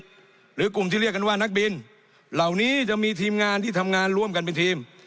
หรือกลุ่มที่เรียกกันว่านักบินเหล่านี้จะมีทีมงานที่ทำงานร่วมกันเป็นทีม